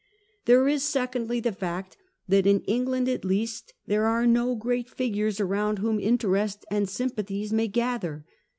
There is secondly the fact that, in England at least, there are no great figures around whom interest and sympathies may gather.